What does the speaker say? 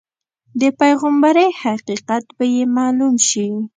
د پیغمبرۍ حقیقت به یې معلوم شي.